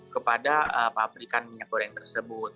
kepada pabrikan minyak goreng tersebut